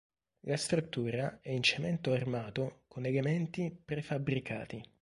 La struttura è in cemento armato con elementi prefabbricati.